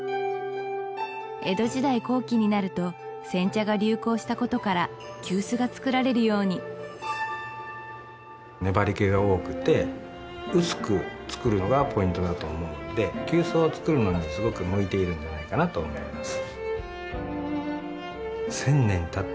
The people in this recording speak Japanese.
江戸時代後期になると煎茶が流行したことから急須が作られるように粘り気が多くて薄く作るのがポイントだと思うので急須を作るのにすごく向いているんではないかなと思います